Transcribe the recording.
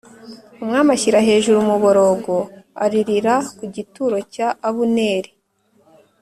umwami ashyira hejuru umuborogo aririra ku gituro cya Abuneri